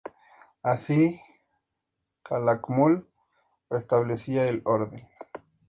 Así, Calakmul restablecía el orden.